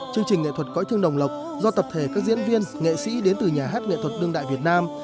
chương trình nghệ thuật cõi thương đồng lộc do tập thể các diễn viên nghệ sĩ đến từ nhà hát nghệ thuật đương đại việt nam